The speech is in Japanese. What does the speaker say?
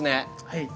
はい。